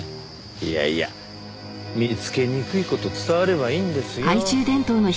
いやいや見つけにくい事伝わればいいんですよ。